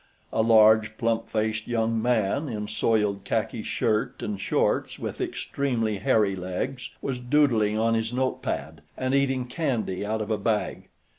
A large, plump faced, young man in soiled khaki shirt and shorts, with extremely hairy legs, was doodling on his notepad and eating candy out of a bag.